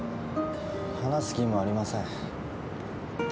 話す義務ありません。